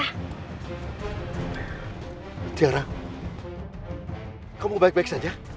sejarah kamu baik baik saja